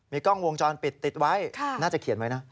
กล้องวงจรปิดติดไว้น่าจะเขียนไว้นะ